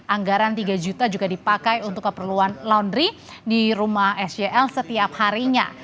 anggaran tiga juta juga dipakai untuk keperluan laundry di rumah sel setiap harinya